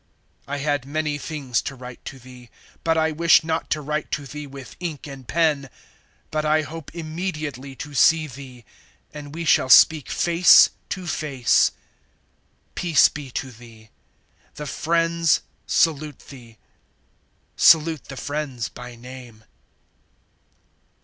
(13)I had many things to write to thee, but I wish not to write to thee with ink and pen; (14)but I hope immediately to see thee, and we shall speak face to face. Peace be to thee. The friends salute thee. Salute the friends, by name.